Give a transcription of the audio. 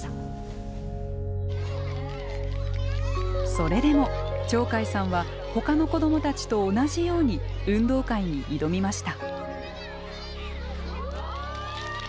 それでも鳥海さんはほかの子供たちと同じように運動会に挑みました。